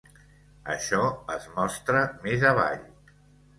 Això es mostra més avall.